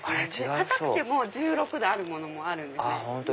硬くても１６度あるものもあるんですね。